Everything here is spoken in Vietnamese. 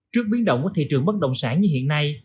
trước biến động của thị trường bất động sản như hiện nay